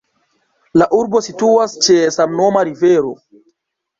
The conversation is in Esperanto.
La urbo situas ĉe samnoma rivero.